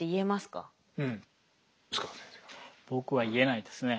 僕は言えないですね。